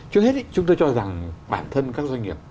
trước hết chúng tôi cho rằng bản thân các doanh nghiệp